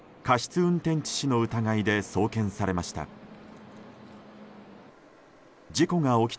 運転致死の疑いで送検されました。